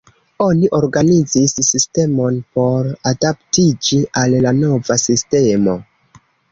Oni organizis sistemon por adaptiĝi al la nova sistemo.